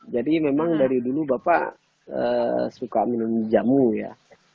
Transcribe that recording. jadi memang dari dulu bapak suka minum jamu ya